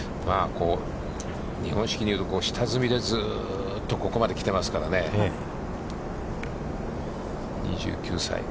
日本式に言うと下積みでずっとここまで来ていますからね、２９歳。